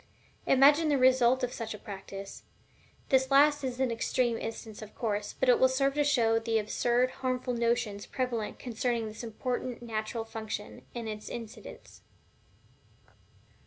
Imagine the result of such a practice! This last is an extreme instance, of course, but it will serve to show the absurd and harmful notions prevalent concerning this important natural function, and its incidents.